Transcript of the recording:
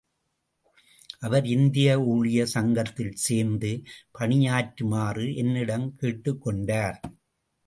அவர் இந்திய ஊழியர் சங்கத்தில் சேர்ந்து பணியாற்றுமாறு என்னிடம் கேட்டுக் கொண்டார்.